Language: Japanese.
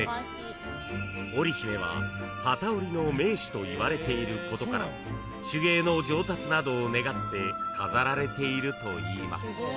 ［といわれていることから手芸の上達などを願って飾られているといいます］